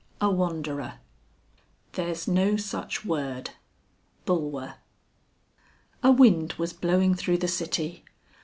I. A WANDERER. "There's no such word." BULWER. A wind was blowing through the city.